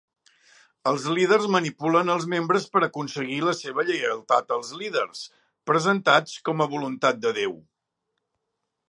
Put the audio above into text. Els líders manipulen els membres per aconseguir la seva lleialtat als líders, presentats com a voluntat de Déu.